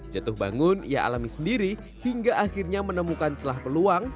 jatuh bangun ia alami sendiri hingga akhirnya menemukan celah peluang